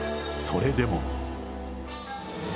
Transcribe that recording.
それでも。